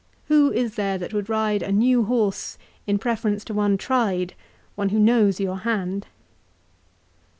Who is there that would ride a new horse, in preference to one tried, one who knows your hand